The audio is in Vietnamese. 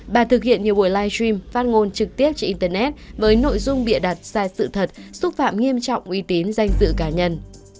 bà thực hiện nhiều buổi live stream phát ngôn trực tiếp trên internet với nội dung bịa đặt sai sự thật xúc phạm nghiêm trọng uy tín danh dự cá nhân